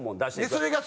それが。